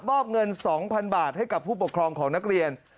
มอบเงิน๒๐๐๐บาทให้กับผู้ปกครองของนักเรียน